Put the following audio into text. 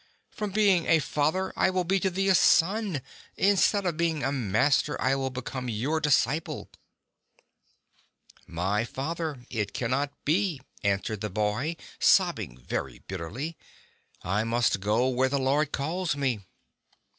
"From being a father, I will be to thee a son : instead of being a master, I will become your disciple." "My father, it cannot be," answered the boy, sobbing very bitterly. "I must go where the Lord God calls me."